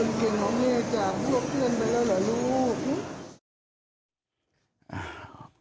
อุลเก่งของแม่จ่าบลวกเที่ยงไปแล้วเหรอลูก